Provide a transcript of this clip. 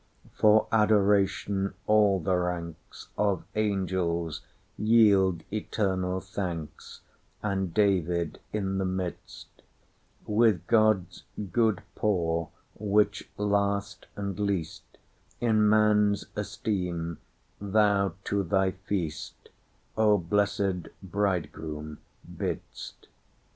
For Adoration all the ranksOf Angels yield eternal thanks, And David in the midst:With God's good poor, which, last and leastIn man's esteem, Thou to Thy feast,O Blessed Bridegroom, bidst.